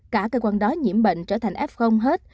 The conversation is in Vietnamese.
cả cơ quan đó nhiễm bệnh trở thành f hết